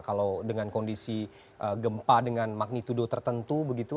kalau dengan kondisi gempa dengan magnitudo tertentu begitu